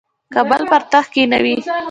کابل پر تخت کښېنوي.